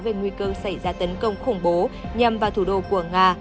về nguy cơ xảy ra tấn công khủng bố nhằm vào thủ đô của nga